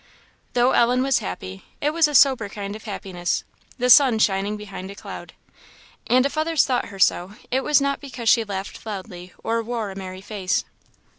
Though Ellen was happy, it was a sober kind of happiness the sun shining behind a cloud. And if others thought her so, it was not because she laughed loudly or wore a merry face.